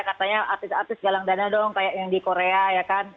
katanya artis artis galang dana dong kayak yang di korea ya kan